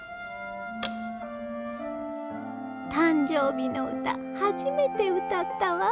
誕生日の歌初めて歌ったわ。